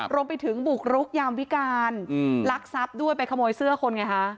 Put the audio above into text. รวมไปถึงบุกรุกยามวิการลักทรัพย์ด้วยไปขโมยเสื้อคนไงคะ